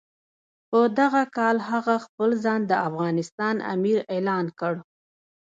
په دغه کال هغه خپل ځان د افغانستان امیر اعلان کړ.